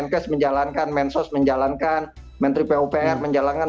menkes menjalankan mensos menjalankan menteri pupr menjalankan